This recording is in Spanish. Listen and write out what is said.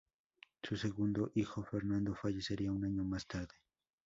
Su segundo hijo, Fernando, fallecería un año más tarde.